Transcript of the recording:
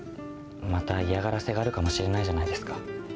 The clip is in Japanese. また嫌がらせがあるかもしれないじゃないですか。